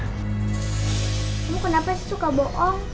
kamu kenapa suka bohong